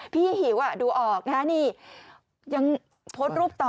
พี่หิวดูออกนะนี่ยังโพสต์รูปต่อ